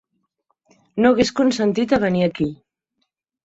No hagués consentit a venir aquí.